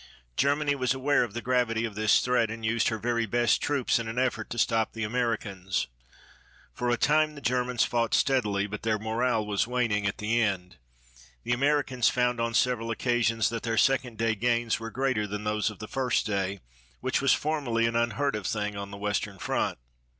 Germany was aware of the gravity of this threat and used her very best troops in an effort to stop the Americans. For a time the Germans fought steadily, but their morale was waning at the end. The Americans found on several occasions that their second day gains were greater than those of the first day, which was formerly an unheard of thing on the western front.